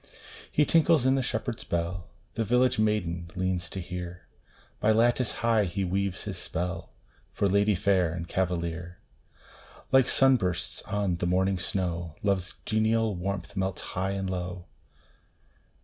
He tinkles in the shepherd s bell The village maiden leans to hear By lattice high he weaves his spell, For lady fair and cavalier : Like sun bursts on the mountain snow, Love s genial warmth melts high and low.